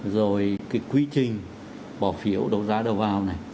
rồi quy trình bỏ phiếu đấu giá đấu vào